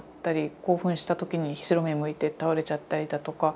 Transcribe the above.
興奮した時に白目むいて倒れちゃったりだとか。